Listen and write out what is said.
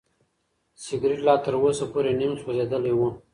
سګرټ لا تر اوسه پورې نیم سوځېدلی و.